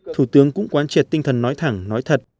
thủ tướng cũng quán triệt tinh thần nói thẳng nói thật